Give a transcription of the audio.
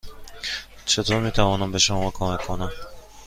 چطور می توانم به شما کمک کنم؟